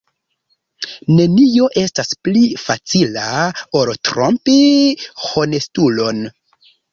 Nenio estas pli facila, ol trompi honestulon.